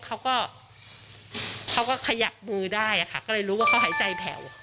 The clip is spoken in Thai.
เขาก็เขาก็ขยับมือได้ค่ะก็เลยรู้ว่าเขาหายใจแผ่ว